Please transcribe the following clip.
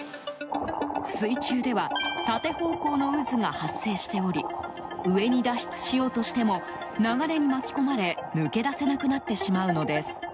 水中では縦方向の渦が発生しており上に脱出しようとしても流れに巻き込まれ抜け出せなくなってしまうのです。